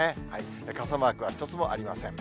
傘マークは一つもありません。